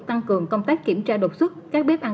tăng cường công tác kiểm tra đột xuất các bếp ăn